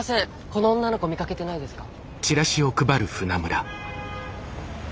この女の子見かけてないですか？